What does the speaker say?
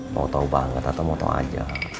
mau tau banget atau mau tau aja